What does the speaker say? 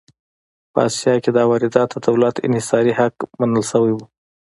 په اسیا کې دا واردات د دولت انحصاري حق منل شوي وو.